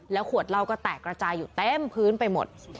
และขวดลาวก็แตกกระจายอยู่เต็มพื้นไปหมด